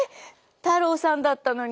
太郎さんだったのに。